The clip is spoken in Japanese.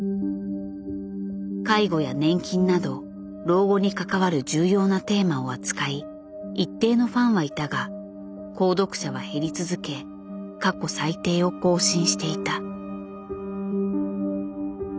介護や年金など老後に関わる重要なテーマを扱い一定のファンはいたが購読者は減り続け過去最低を更新していた。